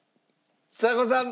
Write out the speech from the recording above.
ちさ子さん。